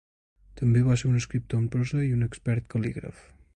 També va ser un escriptor en prosa i un expert cal·lígraf.